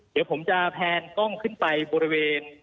เดี๋ยวผมจะแพนกล้องขึ้นไปบริเวณ